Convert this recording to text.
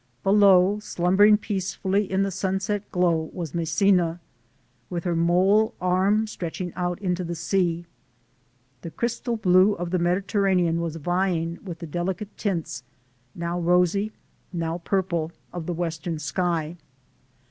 Below, slumbering peacefully in the sunset glow, was Messina, with her mole arm stretch ing out into the sea. The crystal blue of the Medi terranean was vying with the delicate tints, now rosy, now purple, of the western sky.